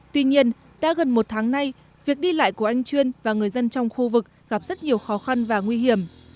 tuy nhiên đã gần một tháng nay việc đi lại của anh chuyên và người dân trong khu vực gặp rất nhiều khó khăn và nguy hiểm